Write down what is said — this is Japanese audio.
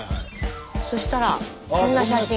そしたらこんな写真。